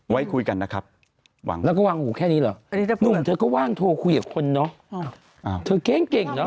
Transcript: ไว้คุยกันนะครับหวังแล้วก็วางหูแค่นี้เหรอหนุ่มเธอก็ว่างโทรคุยกับคนเนอะเธอเก้งเก่งเนอ